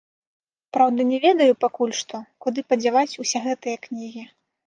Праўда, не ведаю пакуль што, куды падзяваць усе гэтыя кнігі.